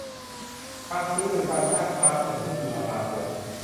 การซื้อหรือการจ้างครั้งหนึ่งซึ่งมีราคาเกิน